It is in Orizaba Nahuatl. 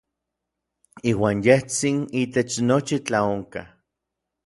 Iuan yejtsin itech nochi tlaonkaj.